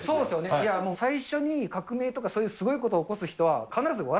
いやもう最初に革命とかそういうすごいことを起こす人は、必ず笑